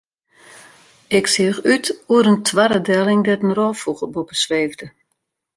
Ik seach út oer in toarre delling dêr't in rôffûgel boppe sweefde.